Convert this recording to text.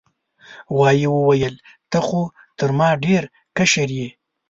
غوايي وویل ته خو تر ما ډیر کشر یې.